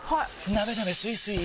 なべなべスイスイ